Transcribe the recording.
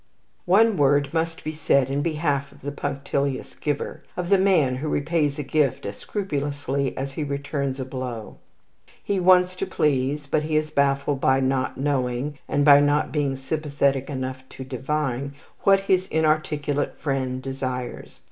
One word must be said in behalf of the punctilious giver, of the man who repays a gift as scrupulously as he returns a blow. He wants to please, but he is baffled by not knowing, and by not being sympathetic enough to divine, what his inarticulate friend desires.